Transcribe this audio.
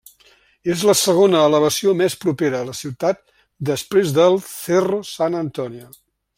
És la segona elevació més propera a la ciutat després del Cerro San Antonio.